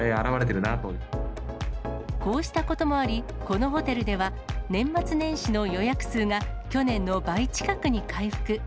こうしたこともあり、このホテルでは年末年始の予約数が去年の倍近くに回復。